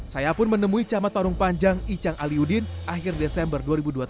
saya pun menemui camat parung panjang icang aliudin akhir desember dua ribu dua puluh tiga